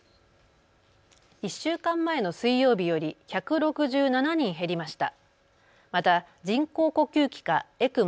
１週間前の水曜日より１６７人減りました。